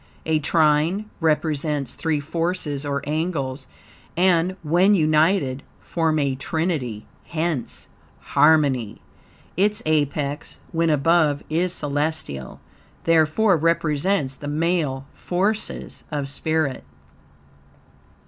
A trine represents three forces or angles, and, when united, form a trinity, hence harmony. Its apex (when above) is celestial, therefore represents the male forces of spirit.